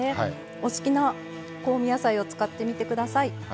お好きな香味野菜を使ってみてください。